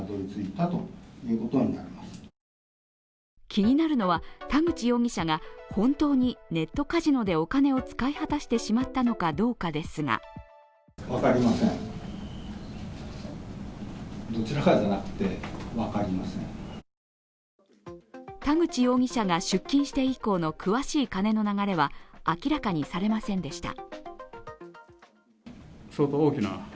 気になるのは、田口容疑者が本当にネットカジノでお金を使い果たしてしまったのかどうかですが田口容疑者が出金して以降の詳しい金の流れは明らかにされませんでした。